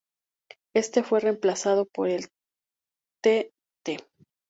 Este fue reemplazado por el Tte.